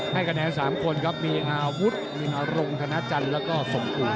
ให้แขนวน๓คนครับมีอาวุธมีหนอรงทนาจันทร์แล้วก็สมกุ